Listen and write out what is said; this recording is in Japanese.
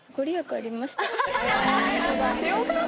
あっ！